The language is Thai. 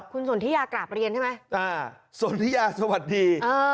คุณสนทิยากราบเรียนใช่ไหมสนทิยาสวัสดี